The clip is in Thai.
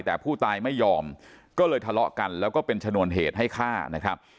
แต่ผู้ตายไม่ยอมก็เลยทะเลาะกันแล้วก็เป็นชนวนเหตุให้ฆ่านะครับ